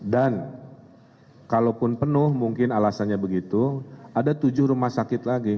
dan kalaupun penuh mungkin alasannya begitu ada tujuh rumah sakit lagi